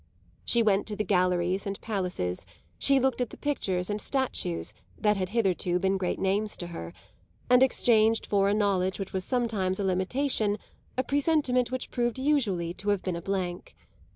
She went to the galleries and palaces; she looked at the pictures and statues that had hitherto been great names to her, and exchanged for a knowledge which was sometimes a limitation a presentiment which proved usually to have been a blank.